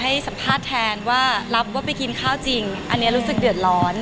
ให้สัมภาษณ์แทนว่ารับว่าไปกินข้าวจริงอันนี้รู้สึกเดือดร้อน